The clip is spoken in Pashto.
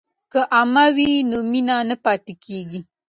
که عمه وي نو مینه نه پاتیږي.